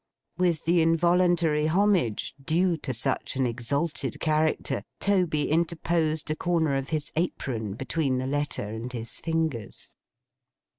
With the involuntary homage due to such an exalted character, Toby interposed a corner of his apron between the letter and his fingers.